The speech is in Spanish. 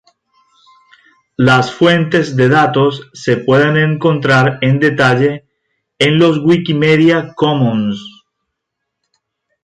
Las fuentes de datos se pueden encontrar en detalle en los Wikimedia Commons.